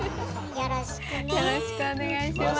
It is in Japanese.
よろしくお願いします。